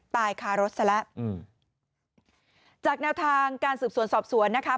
ตายคารถซะแล้วอืมจากแนวทางการสืบสวนสอบสวนนะคะ